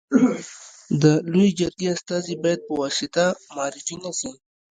د لويي جرګي استازي باید په واسطه معرفي نه سي.